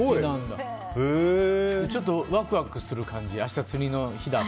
ちょっとワクワクする感じ？